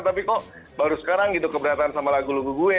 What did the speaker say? tapi kok baru sekarang gitu keberatan sama lagu lagu gue